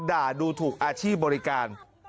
ด่าดูถูกอาชีพบริการ